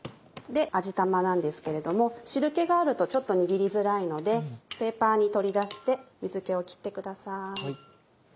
味玉なんですけれども汁気があるとちょっと握りづらいのでペーパーに取り出して水気を切ってください。